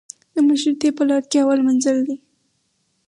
د مشروطې په لار کې اول منزل دی.